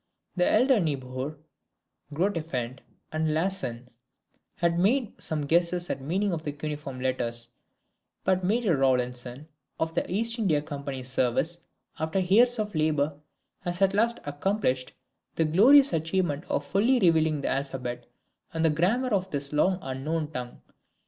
The elder Niebuhr, Grotefend, and Lassen had made some guesses at the meaning of the Cuneiform letters; but Major Rawlinson, of the East India Company's service, after years of labour, has at last accomplished the glorious achievement of fully revealing the alphabet and the grammar of this long unknown tongue.